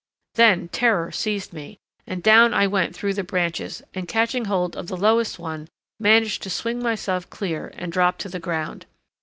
Then terror seized me, and down I went through the branches, and catching hold of the lowest one managed to swing myself clear and dropped to the ground.